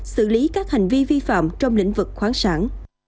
xử lý các hành vi vi phạm trong lĩnh vực khoáng sản